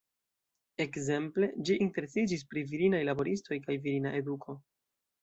Ekzemple, ĝi interesiĝis pri virinaj laboristoj, kaj virina eduko.